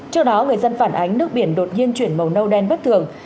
trước đó người dân phản ánh nước biển đột nhiên chuyển màu nâu đen bất thường